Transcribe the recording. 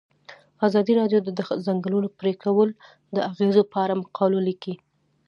ازادي راډیو د د ځنګلونو پرېکول د اغیزو په اړه مقالو لیکلي.